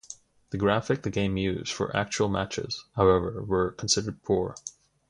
The graphics the game used for actual matches however were considered poor.